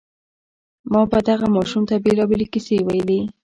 ما به دغه ماشوم ته بېلابېلې کيسې ويلې.